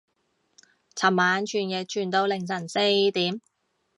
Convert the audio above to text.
尋晚傳譯傳到凌晨四點